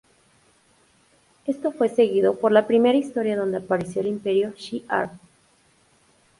Esto fue seguido por la primera historia donde apareció el imperio Shi'ar.